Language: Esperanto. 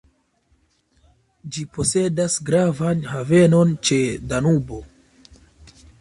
Ĝi posedas gravan havenon ĉe Danubo.